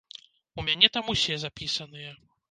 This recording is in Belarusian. У мяне там усе запісаныя.